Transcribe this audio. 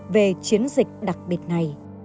về chiến dịch đặc biệt này